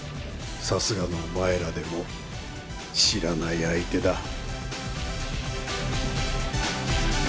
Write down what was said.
さすがのお前らでも知らない相手だ。